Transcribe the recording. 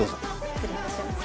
失礼いたします。